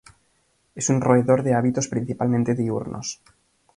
Es un roedor de hábitos principalmente diurnos.